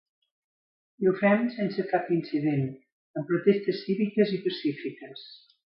I ho fem sense cap incident, amb protestes cíviques i pacífiques.